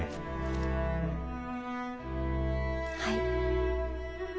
はい。